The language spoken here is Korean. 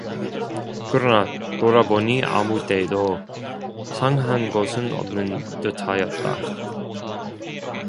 그러나 돌아보니 아무 데도 상한 곳은 없는 듯하였다.